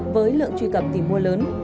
với lượng truy cập tỉ mua lớn